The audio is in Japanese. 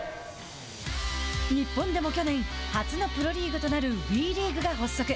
日本でも去年初のプロリーグとなるＷＥリーグが発足。